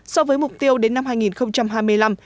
so với mục tiêu đến năm hai nghìn hai mươi năm